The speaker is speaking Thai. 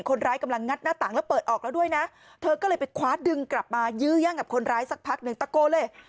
คนร้ายสักพักหนึ่งตะโกะเลย